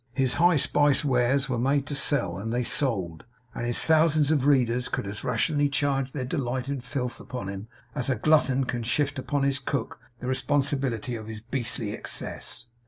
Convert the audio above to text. His high spiced wares were made to sell, and they sold; and his thousands of readers could as rationally charge their delight in filth upon him, as a glutton can shift upon his cook the responsibility of his beastly excess.